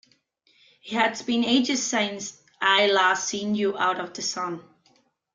It has been ages since I've last seen you out in the sun!